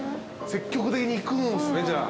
積極的にいくんすねじゃあ。